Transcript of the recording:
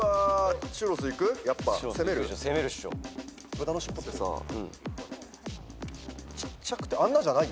豚の尻尾ってさちっちゃくてあんなじゃない。